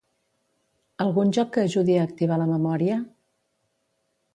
Algun joc que ajudi a activar la memòria?